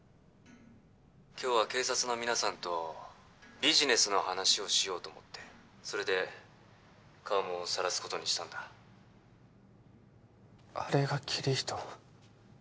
今日は警察の皆さんとビジネスの話をしようと思ってそれで顔もさらすことにしたんだあれがキリヒト？